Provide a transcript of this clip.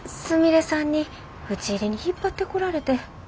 すみれさんにうちいりに引っ張ってこられて。